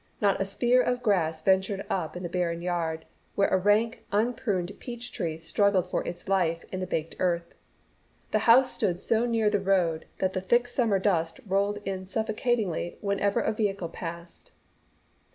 Not a spear of grass ventured up in the barren yard, where a rank unpruned peach tree struggled for its life in the baked earth. The house stood so near the road that the thick summer dust rolled in suffocatingly whenever a vehicle passed.